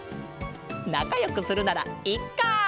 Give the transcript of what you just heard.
なかよくするならいっか！